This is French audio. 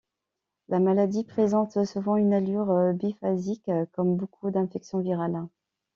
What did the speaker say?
La maladie présente souvent une allure biphasique comme beaucoup d’infections virales.